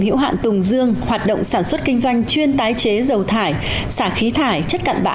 hữu hạn tùng dương hoạt động sản xuất kinh doanh chuyên tái chế dầu thải xả khí thải chất cặn bã